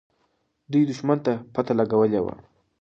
دوی دښمن ته پته لګولې وه.